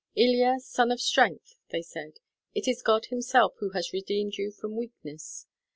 "Ilya, son of strength," they said, "it is God Himself who has redeemed you from weakness.